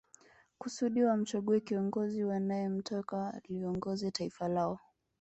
Kusudi wamchague kiongozi wanae mtaka aliongoze taifa lao